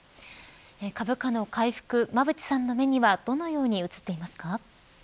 株価の回復、馬渕さんの目にはどのように映っていますか。